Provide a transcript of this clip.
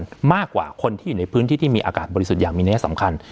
มันมากกว่าคนที่อยู่ในพื้นที่ที่มีอากาศบริสุทธิ์อย่างมีนัยสำคัญ